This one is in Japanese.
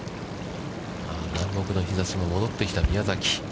南国の日差しも戻ってきた宮崎。